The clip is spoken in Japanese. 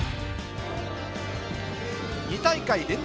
２大会連続